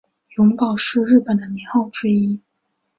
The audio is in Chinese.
永保是日本的年号之一。